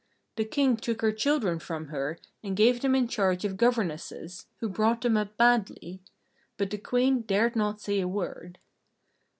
The King took her children from her, and gave them in charge of governesses who brought them up badly. But the Queen dared not say a word.